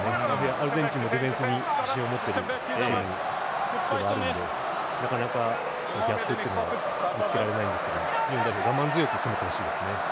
アルゼンチンもディフェンスに自信を持っているところがあるのでなかなかギャップというのは見つけられないんですけど我慢強く攻めてほしいですね。